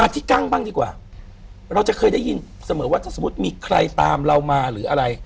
ถ้ามีใครตามลามา